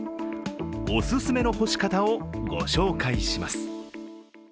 おすすめの干し方をご紹介します。